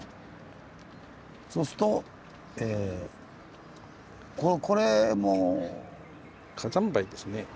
そうするとえこれも。火山灰ですか。